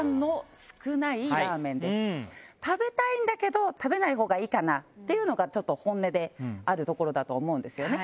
食べたいんだけど食べないほうがいいかなっていうのが本音であるところだと思うんですよね。